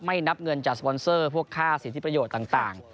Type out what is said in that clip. นับเงินจากสปอนเซอร์พวกค่าสิทธิประโยชน์ต่าง